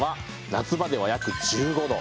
夏場では約１５度。